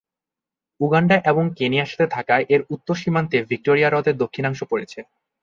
Uganda এবং কেনিয়ার সাথে থাকা এর উত্তর সীমান্তে ভিক্টোরিয়া হ্রদের দক্ষিণাংশ পড়েছে।